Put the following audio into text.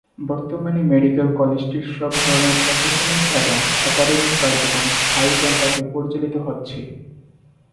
বর্তমানে মেডিকেল কলেজটির সব ধরনের প্রশাসনিক এবং একাডেমিক কার্যক্রম স্থায়ী ক্যাম্পাসে পরিচালিত হচ্ছে।